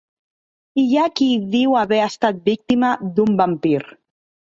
Hi ha qui diu haver estat víctima d'un vampir.